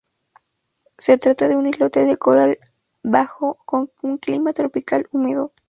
Se trata de un islote de coral bajo, con un clima tropical húmedo.